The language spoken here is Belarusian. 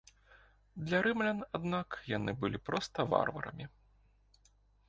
Для рымлян аднак яны былі проста варварамі.